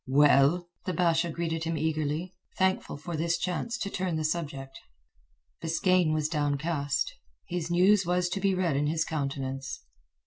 "Well?" the Basha greeted him eagerly, thankful for this chance to turn the subject. Biskaine was downcast. His news was to be read in his countenance.